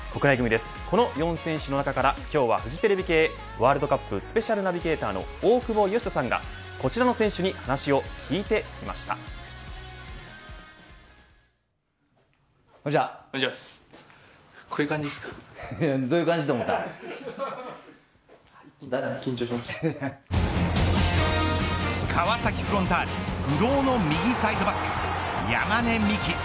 この四選手の中から今日はフジテレビ系ワールドカップスペシャルナビゲーターの大久保嘉人さんがこちらの選手にこんにちは。